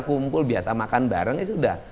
kumpul biasa makan bareng ya sudah